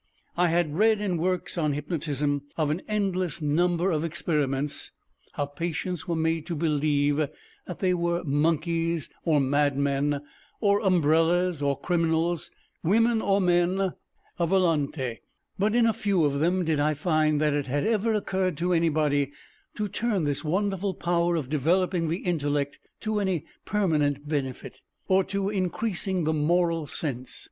I had read in works on hypnotism of an endless number of experiments, how patients were made to believe that they were monkeys or madmen, or umbrellas, or criminals, women or men, à volonté, but in few of them did I find that it had ever occurred to anybody to turn this wonderful power of developing the intellect to any permanent benefit, or to increasing the moral sense.